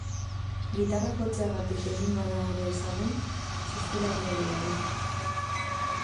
Gitarra jotzeagatik egin bada ere ezagun txistularia ere bada.